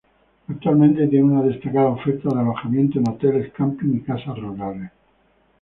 Actualmente tiene una destacada oferta de alojamientos en hoteles, camping y casas rurales.